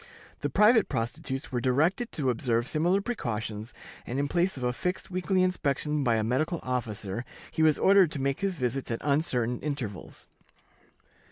The private prostitutes were directed to observe similar precautions, and in place of a fixed weekly inspection by a medical officer, he was ordered to make his visits at uncertain intervals.